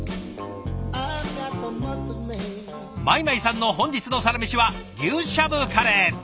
米舞さんの本日のサラメシは牛しゃぶカレー。